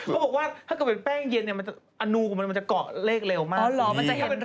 เขาบอกว่าถ้าเกิดเป็นแป้งเย็นเนี่ยมันอนูของมันจะเกาะเลขเร็วมาก